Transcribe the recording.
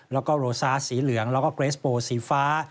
แล้วก็โรซาสสีเหลืองแล้วก็เกรสโปสีฟ้า